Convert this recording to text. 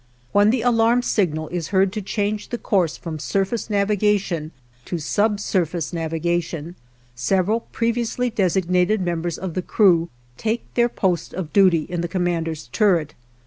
When the alarm signal is heard to change the course from surface navigation to subsurface navigation, several previously designated members of the crew take their post of duty in the commander's turret.